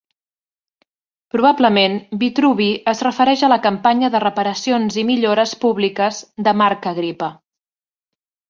Probablement Vitruvi es refereix a la campanya de reparacions i millores públiques de Marc Agripa.